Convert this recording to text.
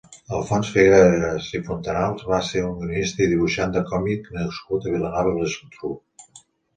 Alfons Figueras i Fontanals va ser un guionista i dibuixant de còmic nascut a Vilanova i la Geltrú.